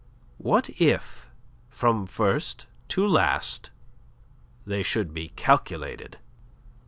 What if from first to last they should be calculated?